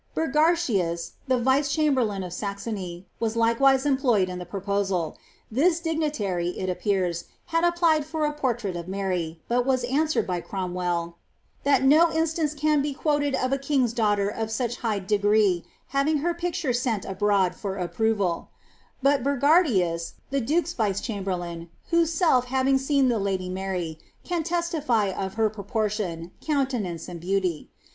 Burgartins, the vice chamberlaia cf Saxony, was likewise employed in the proposal : this dignitary, it ap pears, had applied for a portrait of Mary, but was answered by CfooH well, ^^ that no instance can be quoted of a king^s daughter of such hifli degree having her picture sent abroad for approval; but Bureartius, the duke^s vice chainberlain {whoself having seen the lady Mary^, can testifr of her proportion, countenance, and beauty.